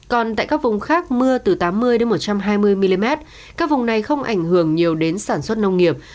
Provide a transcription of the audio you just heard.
còn tại các vùng khác mưa từ tám mươi một trăm hai mươi mm các vùng này không ảnh hưởng nhiều đến sản xuất nông nghiệp